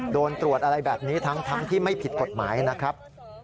โดนตรวจอะไรแบบนี้ทั้งที่ไม่ผิดกฎหมายนะครับ